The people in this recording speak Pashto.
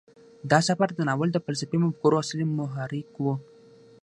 دا سفر د ناول د فلسفي مفکورو اصلي محرک و.